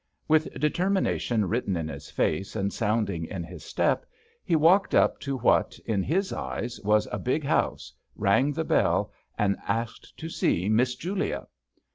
With deter mination written in his hce and sounding in his step, he walked up to what, in his eyes, was a big house, rang the bell, and asked to see " Miss Julia."